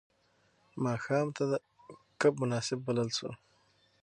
ماښام ته کب مناسب بلل شو.